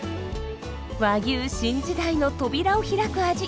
和牛新時代の扉を開く味。